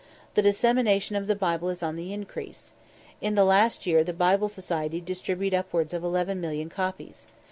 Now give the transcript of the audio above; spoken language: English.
The dissemination of the Bible is on the increase. In last year the Bible Society distributed upwards of 11,000,000 copies.